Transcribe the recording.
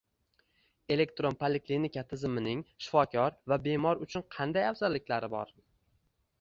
«Elektron poliklinika» tizimining shifokor va bemor uchun qanday afzalliklari bor?ng